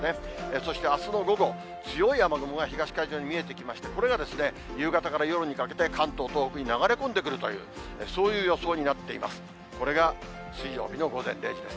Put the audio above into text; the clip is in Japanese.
そして、あすの午後、強い雨雲が東海上に見えてきまして、これが、夕方から夜にかけて関東、東北に流れ込んでくるという、そういう予想になっています。